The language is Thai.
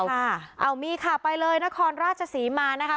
เอามีค่ะไปเลยนครราชศรีมานะคะ